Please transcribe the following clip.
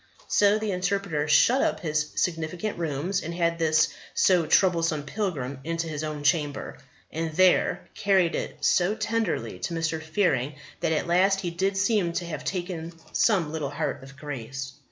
So the Interpreter shut up his significant rooms, and had this so troublesome pilgrim into his own chamber, and there carried it so tenderly to Mr. Fearing that at last he did seem to have taken some little heart of grace.